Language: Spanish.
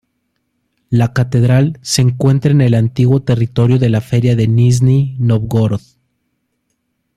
La catedral se encuentra en el antiguo territorio de la Feria de Nizhni Nóvgorod.